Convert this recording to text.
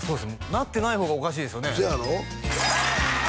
なってない方がおかしいですよねせやろ？